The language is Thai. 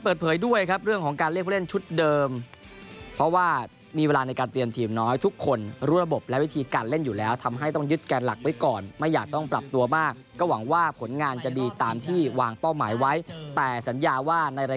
เปิดเผยด้วยครับเรื่องของการเรียกผู้เล่นชุดเดิมเพราะว่า